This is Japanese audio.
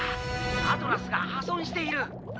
アトラスが破損している！」。